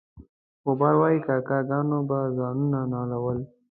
غبار وایي کاکه ګانو به ځانونه نالول.